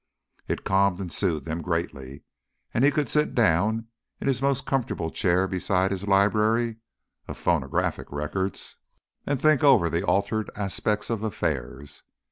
It calmed and soothed him greatly, and he could sit down in his most comfortable chair beside his library (of phonographic records), and think over the altered aspect of affairs.